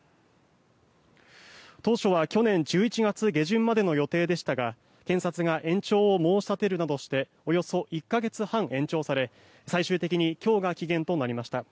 当初は去年１１月下旬までの予定でしたが検察が延長を申し立てるなどしておよそ１か月半延長され最終的に今日が期限となりました。